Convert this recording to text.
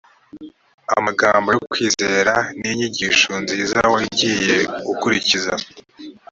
amagambo yo kwizera n’inyigisho nziza wagiye ukurikiza